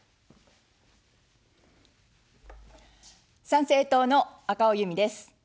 参政党の赤尾由美です。